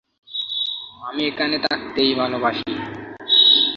আমি এখানে থাকতেই ভালোবাসি।